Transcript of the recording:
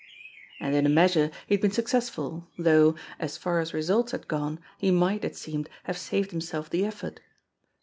And in a measure he had been successful, though, as far as results had gone, he might, it seemed, have saved himself the effort.